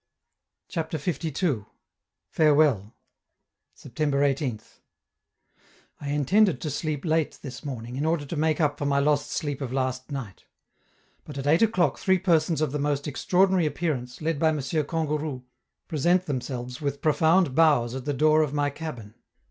CHAPTER LII. "FAREWELL!" September 18th. I intended to sleep late this morning, in order to make up for my lost sleep of last night. But at eight o'clock three persons of the most extraordinary appearance, led by M. Kangourou, present themselves with profound bows at the door of my cabin.